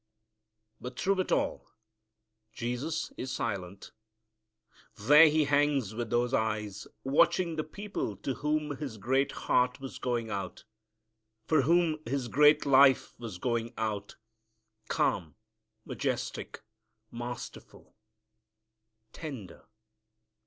But through it all Jesus is silent. There He hangs with those eyes watching the people to whom His great heart was going out, for whom His great life was going out, calm, majestic, masterful, tender.